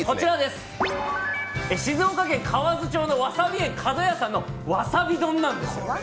静岡県河津町のわさび園かどやさんのわさび丼です。